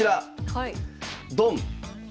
ドン。